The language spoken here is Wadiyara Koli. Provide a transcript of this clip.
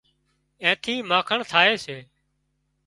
اين ٿِي مانکڻ ٿائي سي